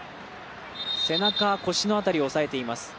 背中、腰の辺りを押さえています。